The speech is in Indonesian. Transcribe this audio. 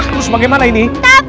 terus bagaimana ini